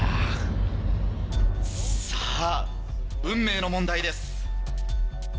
さぁ運命の問題です。